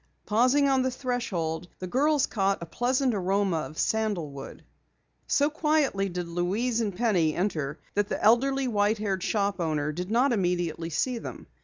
Pausing on the threshold, the girls caught a pleasant aroma of sandalwood. So quietly did Louise and Penny enter that the elderly, white haired shop owner did not immediately see them.